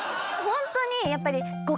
ホントにやっぱり。